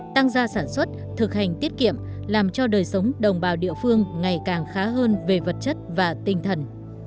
tăng gia sản xuất thực hành tiết kiệm làm cho đời sống đồng bào địa phương ngày càng khá hơn về vật chất và tinh thần